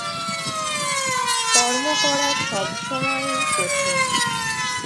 কর্ম করা সব সময়ই কঠিন।